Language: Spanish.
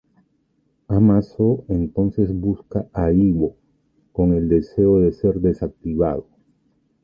Amazo entonces busca a Ivo, con el deseo de ser desactivado.